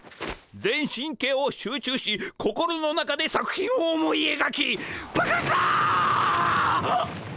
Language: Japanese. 全神経を集中し心の中で作品を思いえがき爆発だ！